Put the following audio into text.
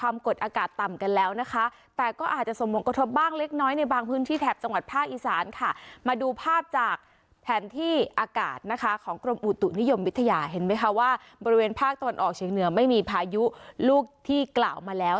มาดูภาพจากแผนที่อากาศนะคะของกรมอุตุนิยมวิทยาเห็นไหมคะว่าบริเวณภาคตะวันออกเฉียงเหนือไม่มีพายุลูกที่กล่าวมาแล้ว